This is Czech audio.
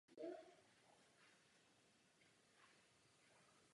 O Třebíči napsal články do moravské Vlastivědy a Ottova slovníku naučného.